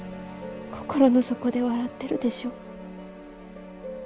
心の底で笑ってるでしょ。